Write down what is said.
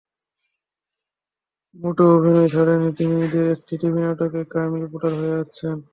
মোটেও অভিনয় ছাড়েননি তিনি, ঈদের একটি টিভি নাটকে ক্রাইম রিপোর্টার হয়ে আসছেন।